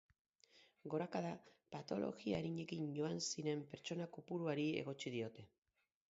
Gorakada, patologia arinekin joan ziren pertsona kopuruari egotzi diote.